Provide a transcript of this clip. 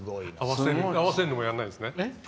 合わせるのもやらないんですかね。